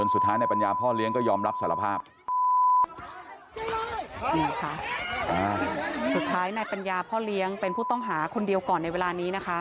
สุดท้ายในปัญญาพ่อเลี้ยงเป็นผู้ต้องหาคนเดียวก่อนในเวลานี้นะคะ